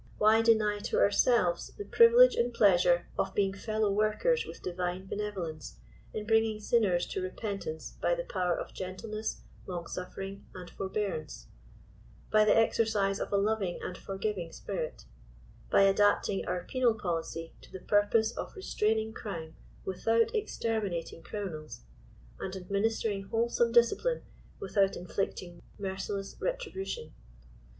Why deny to ourselves the privilege and pleasure of heing fellow workers with Divine Benevolence in bringing sinners to repentance by the power of gentleness, long suffering and forbearance ; by the exercise of a loving and forgiving spirit ; by adapting our penal policy to the pui^ose of restrain ing crime without exterminating criminals, and administering wholesome discipline without inflicting merciless retribution